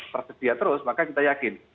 tersedia terus maka kita yakin